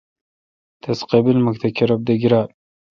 تس قبیمکھ تہ کرب دہ گیرال۔